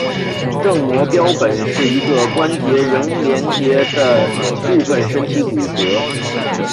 正模标本是一个关节仍连阶的部分身体骨骼。